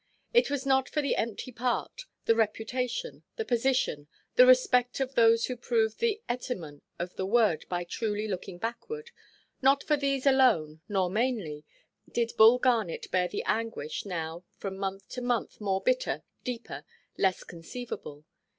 It was not for the empty part, the reputation, the position, the respect of those who prove the etymon of the word by truly looking backward—not for these alone, nor mainly, did Bull Garnet bear the anguish now from month to month more bitter, deeper, less concealable.